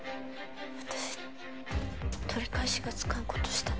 私取り返しがつかんことしたの？